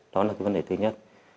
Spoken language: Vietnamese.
đó là cái vấn đề thứ nhất